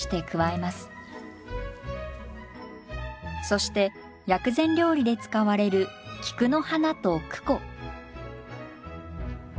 そして薬膳料理で使われる菊の花とクコ。